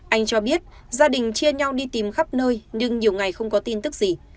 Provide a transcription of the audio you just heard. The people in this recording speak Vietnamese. anh cho biết gia đình chia nhau đi tìm khắp nơi nhưng nhiều ngày không có tin tức gì